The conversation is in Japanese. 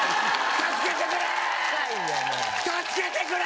助けてくれ！